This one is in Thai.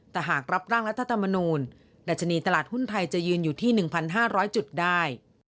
แต่หากรับร่างรัฐธรรมนูลดัชนีตลาดหุ้นไทยจะยืนอยู่ที่๑๕๐๐จุดได้